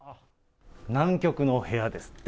南極の部屋ですって。